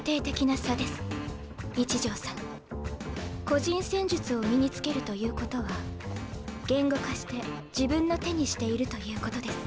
個人戦術を身につけるということは言語化して自分の手にしているということです。